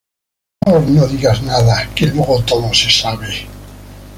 Mejor no digas nada que luego todo se sabe